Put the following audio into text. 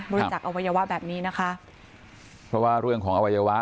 จักษ์อวัยวะแบบนี้นะคะเพราะว่าเรื่องของอวัยวะ